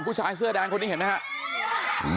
ผู้ชายเสื้อแดงคนนี้เห็นไหมครับ